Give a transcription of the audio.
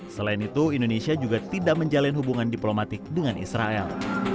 selain itu indonesia juga tidak menjalin hubungan diplomatik dengan israel